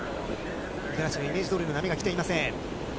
五十嵐のイメージどおりの波が来ていません。